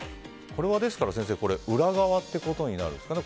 これは裏側ってことになるんですかね。